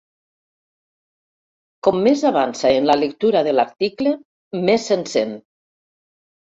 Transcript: Com més avança en la lectura de l'article més s'encén.